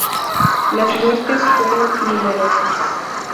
Las muertes fueron numerosas.